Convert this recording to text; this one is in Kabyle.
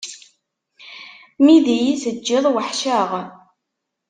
Mi d iyi-teǧǧiḍ weḥceɣ.